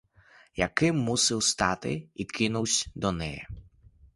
Яким мусив устати і кинувсь до неї.